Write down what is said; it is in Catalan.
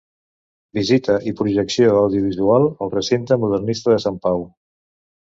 Visita i projecció audiovisual al Recinte Modernista de Sant Pau.